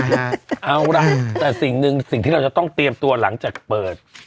เอาล่ะแต่สิ่งหนึ่งสิ่งที่เราจะต้องเตรียมตัวหลังจากเปิด